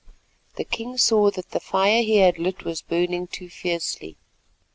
The king saw that the fire he had lit was burning too fiercely.